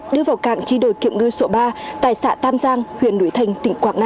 đưa vào cảng chi đổi kiệm ngư sổ ba tại xã tam giang huyện núi thành tỉnh quảng nam